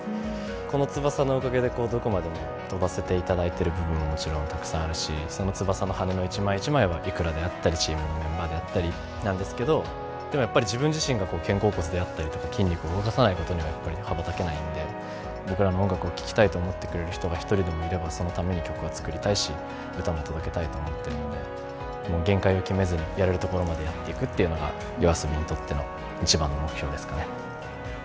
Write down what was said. この翼のおかげでどこまでも飛ばせていただいている部分ももちろんたくさんあるしその翼の羽根の一枚一枚はｉｋｕｒａであったりチームのメンバーであったりなんですけどでもやっぱり自分自身が肩甲骨であったりとか筋肉を動かさないことには羽ばたけないので僕らの音楽を聴きたいと思ってくれる人が一人でもいればそのために曲は作りたいし歌も届けたいと思ってるので限界を決めずにやれるところまでやっていくというのはＹＯＡＳＯＢＩにとっての一番の目標ですかね。